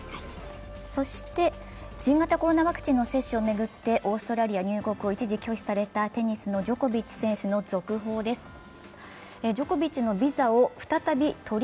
そして、新型コロナワクチンの接種を巡ってオーストラリア入国を一時拒否されたテニスのジョコビッチ選手の続報です。